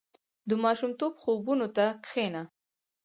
• د ماشومتوب خوبونو ته کښېنه.